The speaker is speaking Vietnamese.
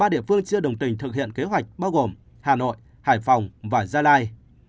ba địa phương chưa đồng tình thực hiện kế hoạch bao gồm hà nội hải phòng và gia lai